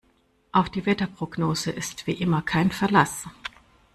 Auf die Wetterprognose ist wie immer kein Verlass.